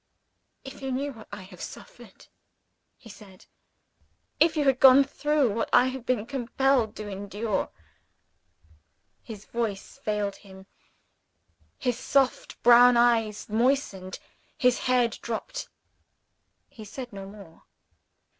"If you knew what I have suffered," he said; "if you had gone through what I have been compelled to endure " His voice failed him; his soft brown eyes moistened; his head drooped. He said no more.